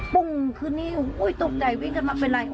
ปึ้งขึ้นนี่ตกใจวิ่งกันมาเป็นอะไร